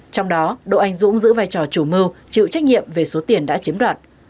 trong đó đỗ anh dũng giữ vai trò chủ mưu chịu trách nhiệm về số tiền đã chiếm đoạt